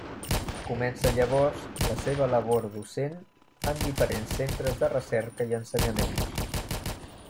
Comença llavors la seva labor docent en diferents centres de recerca i ensenyament.